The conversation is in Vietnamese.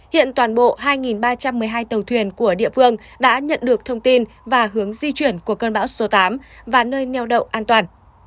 hiện toàn bộ hai ba trăm một mươi hai tàu thuyền của địa phương đã nhận được thông tin và hướng di chuyển của cơn bão số tám và nơi neo đậu an toàn